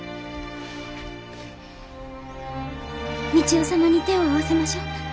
三千代様に手を合わせましょう。